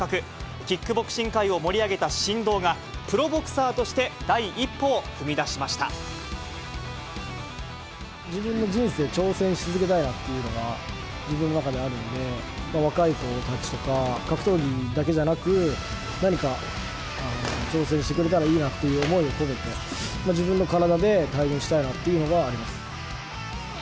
キックボクシング界を盛り上げた神童が、プロボクサーとして、自分の人生、挑戦し続けたいなっていうのが、自分の中であるので、若い子たちとか、格闘技だけじゃなく、何か挑戦してくれたらいいなという思いを込めて、自分の体で体現したいなっていうのがあります。